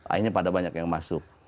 akhirnya pada banyak yang masuk